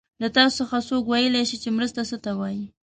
له تاسو څخه څوک ویلای شي چې مرسته څه ته وايي؟